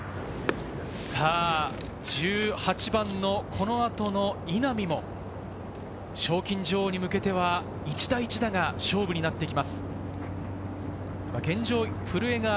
１８番のこの後の稲見も賞金女王に向けては一打一打が勝負になってきます。